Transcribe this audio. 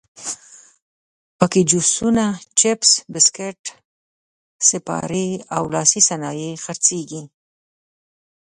په کې جوسونه، چپس، بسکیټ، سیپارې او لاسي صنایع خرڅېږي.